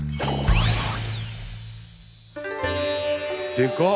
でかっ！